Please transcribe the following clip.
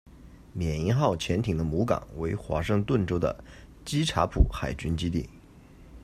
缅因号潜艇的母港为华盛顿州的基察普海军基地。